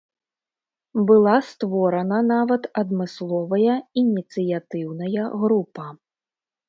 Была створана нават адмысловая ініцыятыўная група.